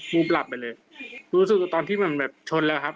หลับไปเลยรู้สึกว่าตอนที่มันแบบชนแล้วครับ